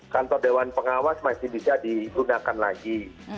kantor dewan pengawas masih bisa digunakan lagi